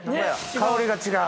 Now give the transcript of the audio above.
香りが違う。